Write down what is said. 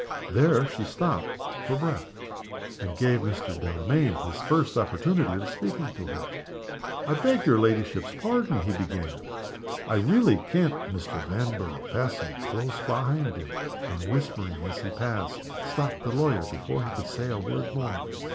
There she stopped for breath, and gave Mr. Delamayn his first opportunity of speaking to her. "I beg your ladyship's pardon," he began. "I really can't " Mr. Vanborough passing close behind him and whispering as he passed stopped the lawyer before he could say a word more.